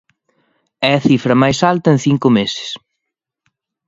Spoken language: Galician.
É a cifra máis alta en cinco meses.